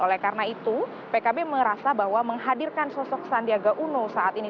oleh karena itu pkb merasa bahwa menghadirkan sosok sandiaga uno saat ini